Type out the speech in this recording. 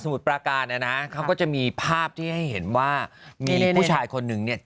มุดปราการเนี่ยนะเขาก็จะมีภาพที่ให้เห็นว่ามีผู้ชายคนนึงเนี่ย